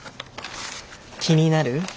気になる？